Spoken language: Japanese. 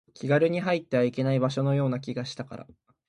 気軽に入ってはいけない場所のような気がしたから